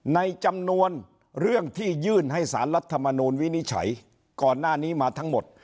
ในจำนวนเรื่องที่ยื่นให้สารรัฐมนูลวินิจฉัยก่อนหน้านี้มาทั้งหมด